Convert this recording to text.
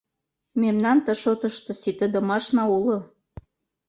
Мемнан ты шотышто ситыдымашна уло.